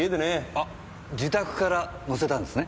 あっ自宅から乗せたんですね？